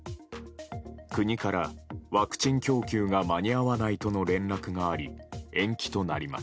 国からワクチン供給が間に合わないとの連絡があり延期となります。